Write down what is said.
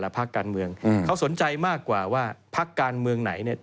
โปรดติดตามต่อไป